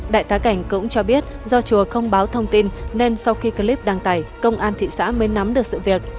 đại tá cảnh cũng cho biết do chùa không báo thông tin nên sau khi clip đăng tải công an thị xã mới nắm được sự việc